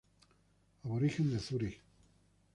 Aborigen de Zúrich.